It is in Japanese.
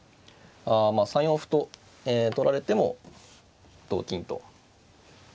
まあ３四歩と取られても同金と。